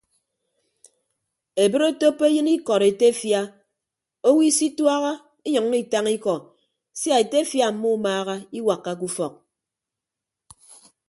Ebre otoppo eyịn ikọd etefia owo isituaha inyʌññọ itañ ikọ sia etefia mmumaaha iwakkake ufọk.